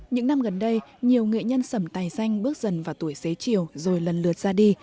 những năm gần đây nhiều nghệ nhân sầm tài danh bước dần vào tuổi xế chiều rồi lần lượt ra đi